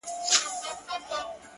څله بيا په دومره درد; ماته اړوې سترگي;